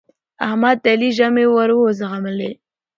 احمد د علي ژامې ور وځبلې.